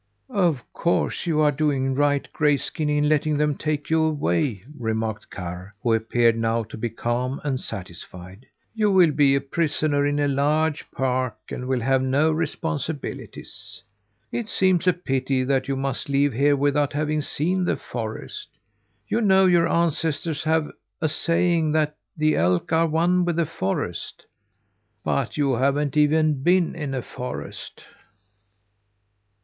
"Of course you are doing right, Grayskin, in letting them take you away," remarked Karr, who appeared now to be calm and satisfied. "You will be a prisoner in a large park and will have no responsibilities. It seems a pity that you must leave here without having seen the forest. You know your ancestors have a saying that 'the elk are one with the forest.' But you haven't even been in a forest!"